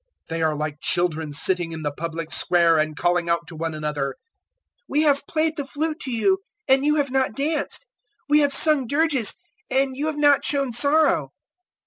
007:032 They are like children sitting in the public square and calling out to one another, `We have played the flute to you, and you have not danced: we have sung dirges, and you have not shown sorrow.'